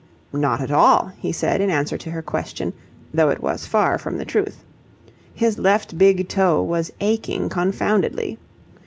"Not at all," he said in answer to her question, though it was far from the truth. His left big toe was aching confoundedly.